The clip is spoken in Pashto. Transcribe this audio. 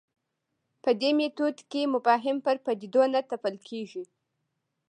په دې میتود کې مفاهیم پر پدیدو نه تپل کېږي.